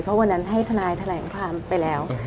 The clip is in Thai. เพราะวันนั้นให้ทนายแถลงความไปแล้ว